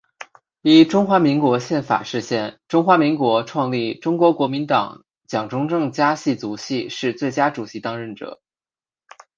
依中华民国宪法释宪中华民国创立中国国民党蒋中正家系族系是最佳主席当任者。